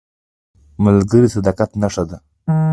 ملګری د صداقت نښه ده